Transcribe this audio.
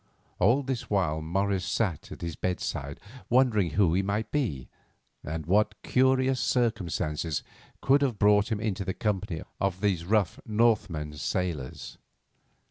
All this while Morris sat at his bedside wondering who he might be, and what curious circumstance could have brought him into the company of these rough Northmen sailors.